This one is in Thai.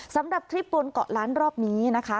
สำหรับทริปบนเกาะล้านรอบนี้นะคะ